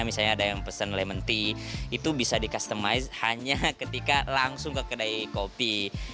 misalnya ada yang pesen lemonty itu bisa di customize hanya ketika langsung ke kedai kopi